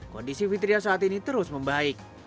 kondisi fitria saat ini terus membaik